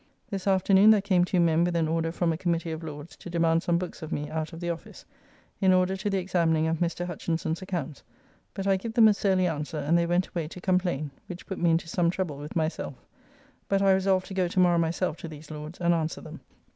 This afternoon there came two men with an order from a Committee of Lords to demand some books of me out of the office, in order to the examining of Mr. Hutchinson's accounts, but I give them a surly answer, and they went away to complain, which put me into some trouble with myself, but I resolve to go to morrow myself to these Lords and answer them.